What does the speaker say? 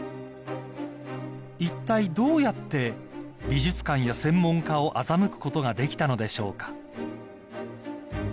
［いったいどうやって美術館や専門家を欺くことができたのでしょうか］